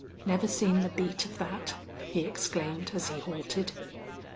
"Never seen the beat of that!" he exclaimed, as he halted.